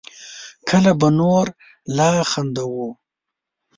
کله به نور لا خندوو